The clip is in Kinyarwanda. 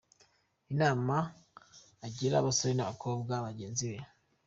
Inama agira abasore n’abakobwa bagenzi be.